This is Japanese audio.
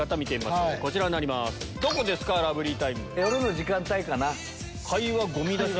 夜の時間帯かな。